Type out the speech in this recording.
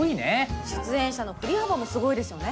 出演者の振り幅もすごいですよね。